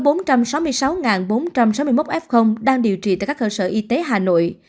bệnh nhân phân bố tại hà nội đang điều trị tại các hợp sở y tế hà nội